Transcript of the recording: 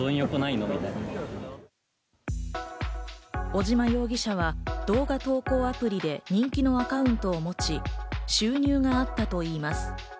尾島容疑者は動画投稿アプリで人気のアカウントを持ち、収入があったといいます。